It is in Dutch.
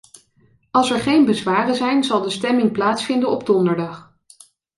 Als er geen bezwaren zijn, zal de stemming plaatsvinden op donderdag.